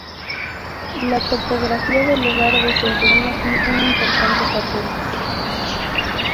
La topografía del lugar desempeñó aquí un importante papel.